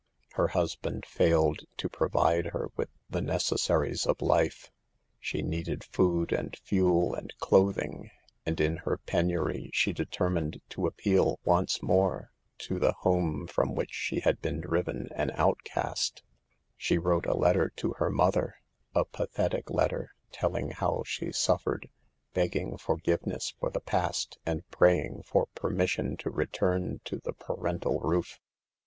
Her husband failed to provide her with the necessaries of life. She needed food and fuel ^nd clothing, and in her penury she determined to appeal once more to THE EVILS OF DANCING. 87 the home from which she had been driven an outcast* She wrote a letter to the mother, a pathetic letter, telling how she suffered, begging for giveness for the past and praying for permis sion to return to the parental roof.